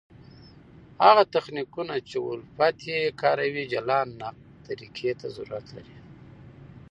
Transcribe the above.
هغه تخنیکونه، چي الفت ئې کاروي جلا نقد طریقي ته ضرورت لري.